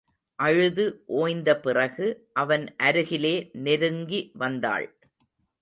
அழுது ஓய்ந்த பிறகு, அவன் அருகிலே நெருங்கி வந்தாள்.